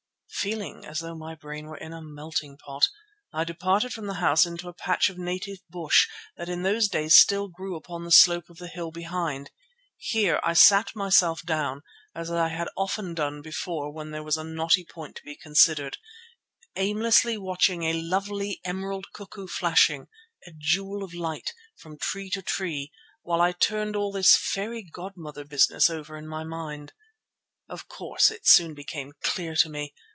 Feeling as though my brain were in a melting pot, I departed from the house into a patch of native bush that in those days still grew upon the slope of the hill behind. Here I sat myself down, as I had often done before when there was a knotty point to be considered, aimlessly watching a lovely emerald cuckoo flashing, a jewel of light, from tree to tree, while I turned all this fairy godmother business over in my mind. Of course it soon became clear to me.